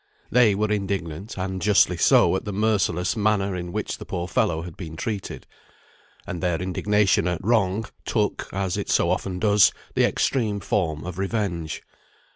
They were indignant, and justly so, at the merciless manner in which the poor fellow had been treated; and their indignation at wrong, took (as it so often does) the extreme form of revenge.